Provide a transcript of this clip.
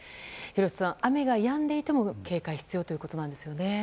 廣瀬さん、雨がやんでいても警戒が必要ということですね。